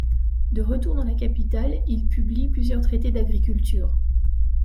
De retour dans la capitale, il publie plusieurs traités d’agriculture.